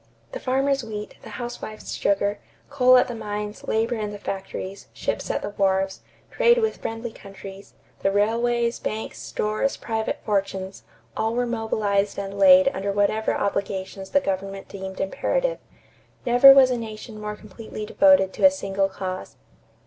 The farmer's wheat, the housewife's sugar, coal at the mines, labor in the factories, ships at the wharves, trade with friendly countries, the railways, banks, stores, private fortunes all were mobilized and laid under whatever obligations the government deemed imperative. Never was a nation more completely devoted to a single cause.